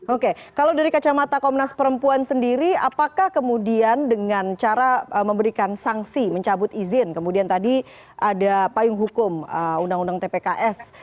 oke kalau dari kacamata komnas perempuan sendiri apakah kemudian dengan cara memberikan sanksi mencabut izin kemudian tadi ada payung hukum undang undang tpks